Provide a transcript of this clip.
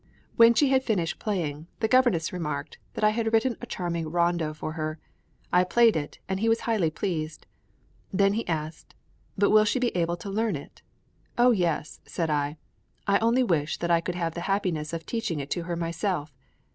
When she had finished playing, the governess remarked that I had written a charming rondo for her. I played it, and he was highly pleased. Then he asked, {HOPES OF SERVICE AT MANNHEIM.} (397) "But will she be able to learn it?" "O yes," said I, "I only wish that I could have the happiness of teaching it to her myself."